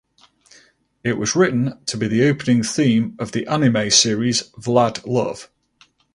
It was written to be the opening theme of the anime series "Vlad Love".